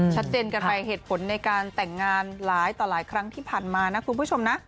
กันไปเหตุผลในการแต่งงานหลายต่อหลายครั้งที่ผ่านมานะคุณผู้ชมนะ